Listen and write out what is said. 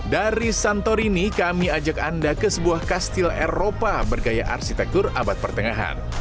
dari santorini kami ajak anda ke sebuah kastil eropa bergaya arsitektur abad pertengahan